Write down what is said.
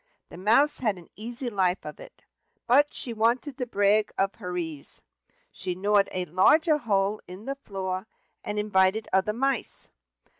The Mouse had an easy life of it, but she wanted to brag of her ease: she gnawed a larger hole in the floor, and invited other mice.